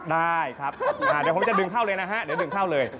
ได้ครับเดี๋ยวผมจะดึงเข้าเลยนะฮะเดี๋ยวดึงเข้าเลย